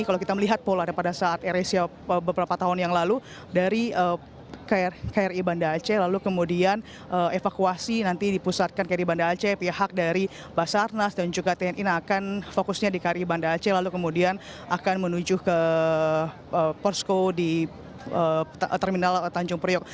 kalau kita melihat pola pada saat air asia beberapa tahun yang lalu dari kri banda aceh lalu kemudian evakuasi nanti dipusatkan kri banda aceh pihak dari basarnas dan juga tni akan fokusnya di kri banda aceh lalu kemudian akan menuju ke posko di terminal tanjung priok